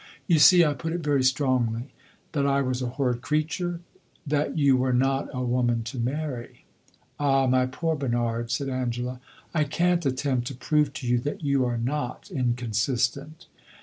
"You see I put it very strongly." "That I was a horrid creature?" "That you were not a woman to marry." "Ah, my poor Bernard," said Angela, "I can't attempt to prove to you that you are not inconsistent!"